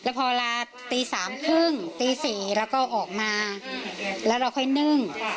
พอเวลาตีสามครึ่งตี๔เราก็ออกมาแล้วเราค่อยนึ่ง